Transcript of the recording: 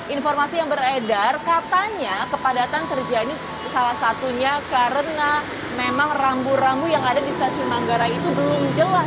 informasi yang beredar katanya kepadatan kerja ini salah satunya karena memang rambu rambu yang ada di stasiun manggarai itu belum jelas